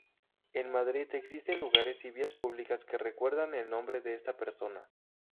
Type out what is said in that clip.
En Madrid existen lugares y vías públicas que recuerdan el nombre de esta persona